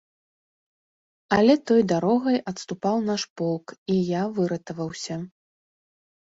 Але той дарогай адступаў наш полк, і я выратаваўся.